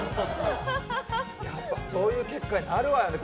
やっぱそういう結果になるわよね。